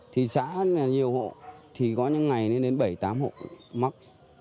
thì xã nhiều hộ có những ngày đến bảy tám hộ mắc